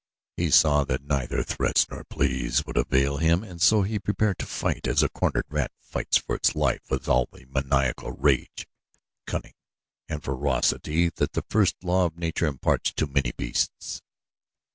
He saw that neither threats nor pleas would avail him and so he prepared to fight as a cornered rat fights for its life with all the maniacal rage, cunning, and ferocity that the first law of nature imparts to many beasts.